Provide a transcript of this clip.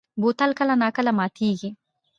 بوتل کله نا کله ماتېږي.